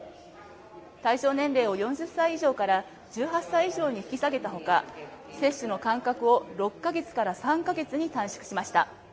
対象年齢を４０歳以上から１８歳以上に引き下げたほか接種の間隔を６か月から３か月に短縮しました。